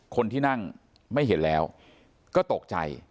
คนที่นั่งไม่เห็นแล้วก็ตกใจ